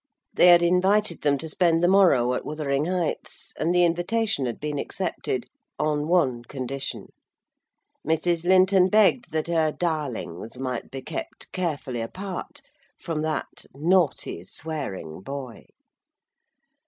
They had invited them to spend the morrow at Wuthering Heights, and the invitation had been accepted, on one condition: Mrs. Linton begged that her darlings might be kept carefully apart from that "naughty swearing boy."